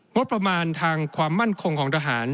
งบประมาณทางความมั่นคงของทหาร